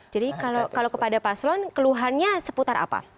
jadi kalau kepada pak sloan keluhannya seputar apa